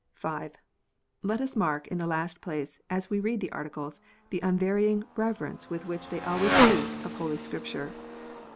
(5) Let us mark, in the last place, as we read the Articles, the unvarying reverence with which they always speak of Holy Scripture.